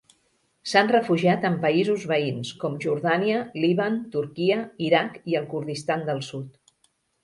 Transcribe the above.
S'han refugiat en països veïns, com Jordània, Líban, Turquia, Iraq i el Kurdistan del Sud.